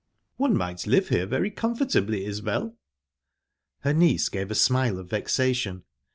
"One might live here very comfortably, Isbel?" Her niece gave a smile of vexation.